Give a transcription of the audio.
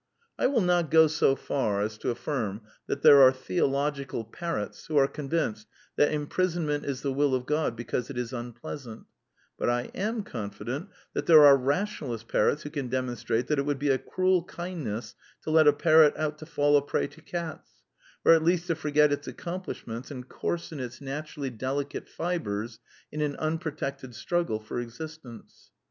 I will not go so far as to affirm that there are theological parrots who are convinced that imprisonment is the will of God because it is unpleasant; but I am confident that there are rationalist parrots who can demonstrate that it would be a truel kindness to let a parrot out to fall a prey to cats, or at least to forget its accomplishments and coarsen its naturally delicate fibres in an unprotected struggle for existence.